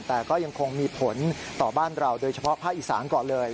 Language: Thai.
แต่ก็ยังคงมีผลต่อบ้านเราโดยเฉพาะภาคอีสานก่อนเลย